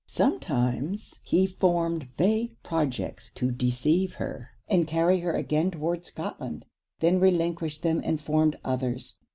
Sometimes he formed vague projects to deceive her, and carry her again towards Scotland; then relinquished them and formed others.